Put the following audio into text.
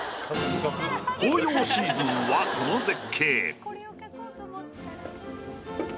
紅葉シーズンはこの絶景。